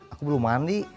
aku belum mandi